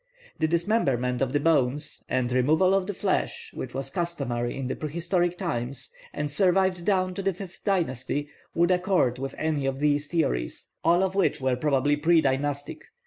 The dismemberment of the bones, and removal of the flesh, which was customary in the prehistoric times, and survived down to the fifth dynasty, would accord with any of these theories, all of which were probably predynastic.